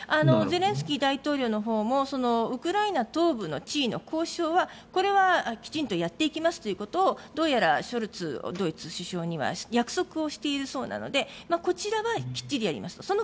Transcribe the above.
ゼレンスキー大統領のほうもウクライナ東部の地位の交渉はこれはきちんとやっていきますということをどうやらショルツドイツ首相には約束しているそうなのでこちらはきっちりやりますと。